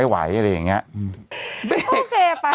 สวัสดีครับคุณผู้ชม